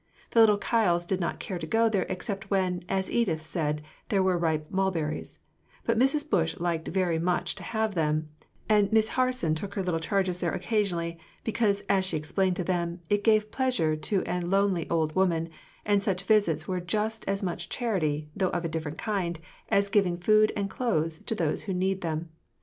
The little Kyles did not care to go there except when, as Edith said, there were ripe mulberries; but Mrs. Bush liked very much to have them, and Miss Harson took her little charges there occasionally, because, as she explained to them, it gave pleasure to a lonely old woman, and such visits were just as much charity, though of a different kind, as giving food and clothes to those who need them.